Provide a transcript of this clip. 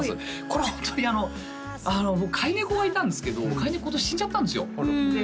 これホントに僕飼い猫がいたんですけど飼い猫今年死んじゃったんですよで